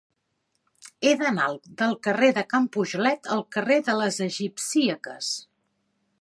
He d'anar del carrer de Can Pujolet al carrer de les Egipcíaques.